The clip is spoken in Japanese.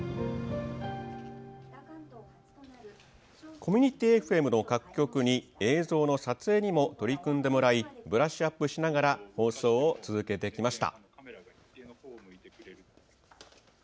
コミュニティＦＭの各局に映像の撮影にも取り組んでもらいブラッシュアップしながら放送を続けてきました。